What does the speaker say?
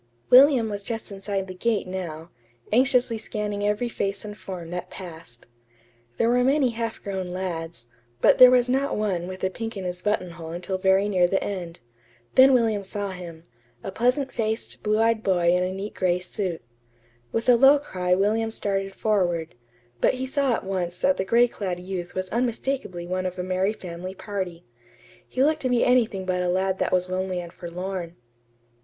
William was just inside the gate now, anxiously scanning every face and form that passed. There were many half grown lads, but there was not one with a pink in his buttonhole until very near the end. Then William saw him a pleasant faced, blue eyed boy in a neat gray suit. With a low cry William started forward; but he saw at once that the gray clad youth was unmistakably one of a merry family party. He looked to be anything but a lad that was lonely and forlorn.